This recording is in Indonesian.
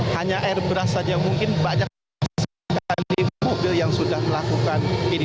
hanya air beras saja mungkin banyak sekali mobil yang sudah melakukan ini